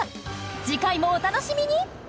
次回もお楽しみに！